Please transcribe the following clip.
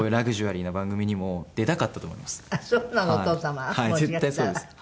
はい絶対そうです。